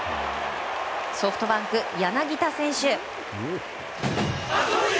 ソフトバンク、柳田選手。